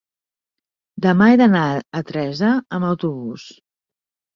Demà he d'anar a Teresa amb autobús.